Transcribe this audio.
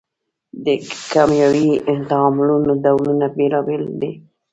د کیمیاوي تعاملونو ډولونه بیلابیل دي.